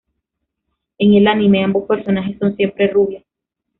En el anime, ambos personajes son siempre rubias.